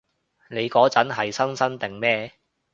你嗰陣係新生定咩？